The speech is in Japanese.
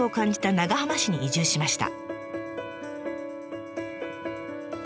長浜市に移住しました。